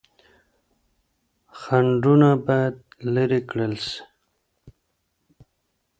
خنډونه بايد لري کړل سي.